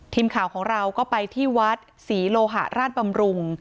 ทีมข่าวของเราก็ไปที่วัดศรีโลหะราชบำรุง